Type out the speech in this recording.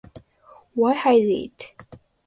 Why hide it?